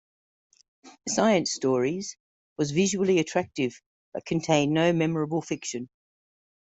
"Science Stories" was visually attractive but contained no memorable fiction.